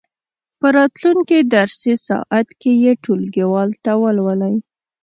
په راتلونکې درسي ساعت کې یې ټولګیوالو ته ولولئ.